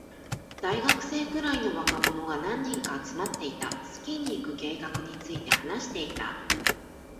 大学生くらいの若者が何人か集まっていた。スキーに行く計画について話していた。